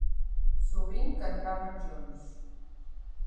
Sovint cantaven junts.